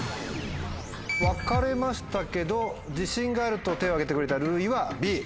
分かれましたけど自信があると手を挙げてくれたるういはＢ。